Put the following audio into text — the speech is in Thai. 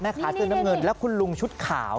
แม่ค้าเซลล์น้ำเงินแล้วคุณลุงชุดขาว